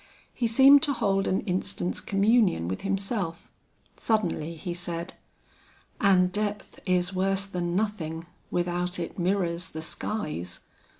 He seemed to hold an instant's communion with himself; suddenly he said, "And depth is worse than nothing, without it mirrors the skies.